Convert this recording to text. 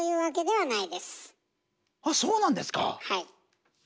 はい。